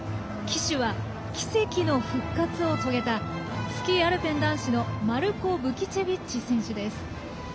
旗手は奇跡の復活を遂げたスキー・アルペン男子のマルコ・ブキチェビッチ選手です。